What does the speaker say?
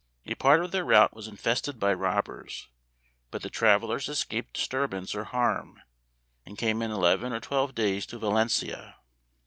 A part of their route was infested by robbers, but the travelers escaped disturbance or harm, and came in eleven or twelve clays to Valencia.